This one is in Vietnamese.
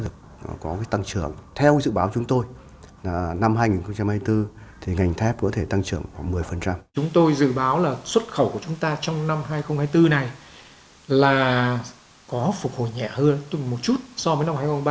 chúng tôi dự báo là xuất khẩu của chúng ta trong năm hai nghìn hai mươi bốn này là có phục hồi nhẹ hơn một chút so với năm hai nghìn hai mươi ba